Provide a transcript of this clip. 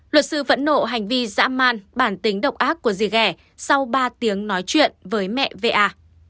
luật sư phẫn nộ hành vi dã man bản tính độc ác của rìa sau ba tiếng nói chuyện với mẹ va